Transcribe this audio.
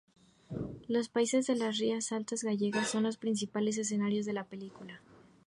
Los paisajes de las rías altas gallegas son los principales escenarios de la película.